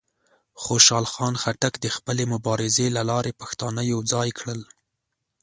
خوشحال خان خټک د خپلې مبارزې له لارې پښتانه یوځای کړل.